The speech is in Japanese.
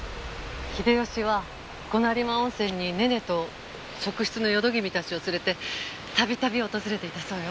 秀吉はこの有馬温泉にねねと側室の淀君たちを連れて度々訪れていたそうよ。